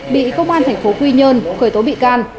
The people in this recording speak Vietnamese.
bị công an tp quy nhơn khởi tố bị can